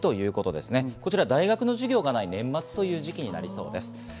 こちら、大学の授業がない年末ということになりそうです。